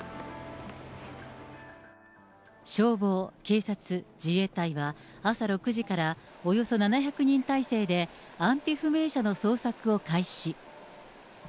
消防、警察、自衛隊は、朝６時からおよそ７００人態勢で、安否不明者の捜索を開始。